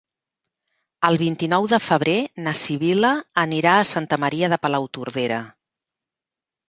El vint-i-nou de febrer na Sibil·la anirà a Santa Maria de Palautordera.